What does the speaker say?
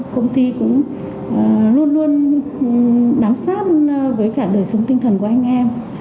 công ty cũng luôn luôn bám sát với cả đời sống tinh thần của anh em